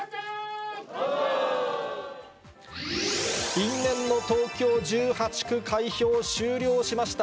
因縁の東京１８区、開票終了しました。